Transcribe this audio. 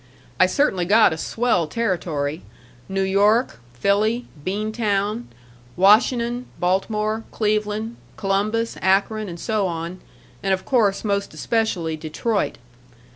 I certainly got a swell territory New York, Philly, Bean Town, Washi'nun, Balt'more, Cleveland, Columbus, Akron, and so on, and of course most especially Detroit.